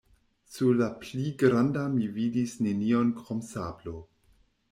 Sur la pli granda mi vidis nenion krom sablo.